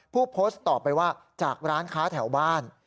ผู้โพสต์ตอบไปว่าจากร้านค้าแถวบ้าน